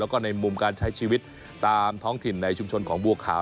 แล้วก็ในมุมการใช้ชีวิตตามท้องถิ่นในชุมชนของบัวขาว